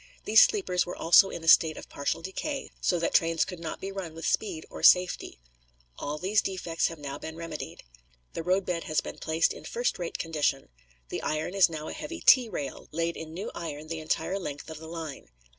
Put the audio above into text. These sleepers were also in a state of partial decay, so that trains could not be run with speed or safety. All these defects have now been remedied. The roadbed has been placed in first rate condition. The iron is now a heavy T rail, laid in new iron the entire length of the line.